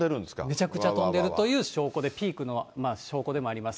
めちゃくちゃ飛んでるという証拠で、ピークの証拠でもあります。